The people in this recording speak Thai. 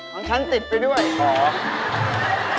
ของฉันติดไปด้วยอ๋อ